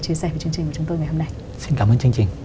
chia sẻ với chương trình của chúng tôi ngày hôm nay